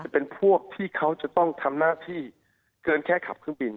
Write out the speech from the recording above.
เป็นพวกที่เขาจะต้องทำหน้าที่เกินแค่ขับเครื่องบิน